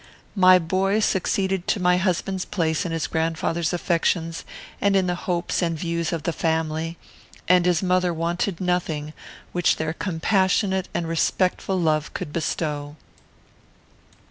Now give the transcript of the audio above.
My boy succeeded to my husband's place in his grandfather's affections, and in the hopes and views of the family; and his mother wanted nothing which their compassionate and respectful love could bestow.